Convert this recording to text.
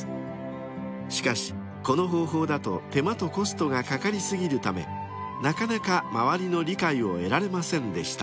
［しかしこの方法だと手間とコストがかかりすぎるためなかなか周りの理解を得られませんでした］